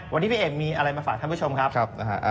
วันนี้พี่เอกมีอะไรมาฝากท่านผู้ชมครับนะฮะ